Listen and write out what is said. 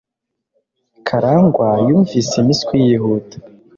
Karangwa yumvise impiswi yihuta.